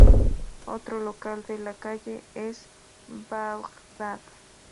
Otro local de la calle es el Bagdad.